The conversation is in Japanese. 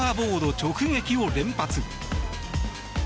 直撃を連発。